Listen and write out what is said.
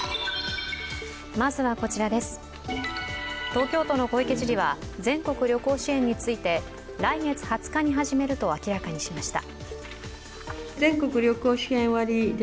東京都の小池知事は全国旅行支援について来月２０日に始めると明らかにしました。